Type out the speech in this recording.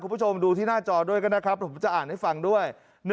คุณผู้ชมดูที่หน้าจอด้วยกันนะครับผมจะอ่านให้ฟังด้วย